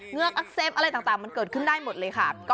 เงือกอักเซฟอะไรต่างมันเกิดขึ้นได้หมดเลยค่ะ